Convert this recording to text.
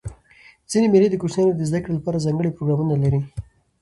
ځيني مېلې د کوچنيانو د زدهکړي له پاره ځانګړي پروګرامونه لري.